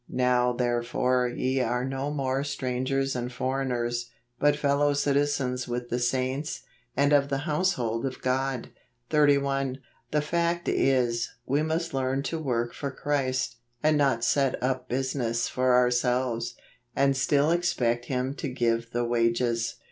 " Now therefore ye are no more strangers and for¬ eigners, but fellow citizens icith the saints , and of the household of God." 31. The fact is, we must learn to work for Christ, and not set up business for our¬ selves, and still expect Him to give the wages.